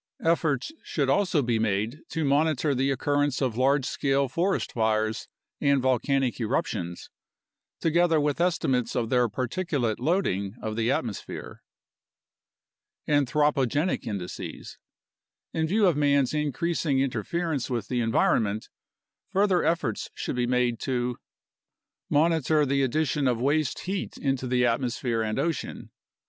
Efforts should also be made to monitor the A NATIONAL CLIMATIC RESEARCH PROGRAM 11 occurrence of large scale forest fires and volcanic eruptions, together with estimates of their particulate loading of the atmosphere. Anthropogenic Indices In view of man's increasing interference with the environment, further efforts should be made to Monitor the addition of waste heat into the atmosphere and ocean.